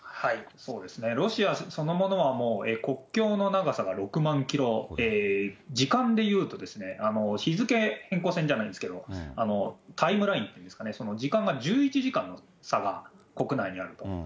そうですね、ロシアそのものは国境の長さが６万キロ、時間でいうとですね、日付変更線じゃないですけど、タイムラインっていうんですかね、時間が１１時間の差が、国内にあると。